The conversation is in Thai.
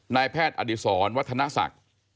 นายแพทย์อดีศรวัฒนศักดิ์